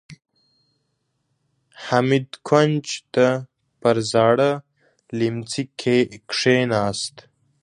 حميد کونج ته پر زاړه ليمڅي کېناست.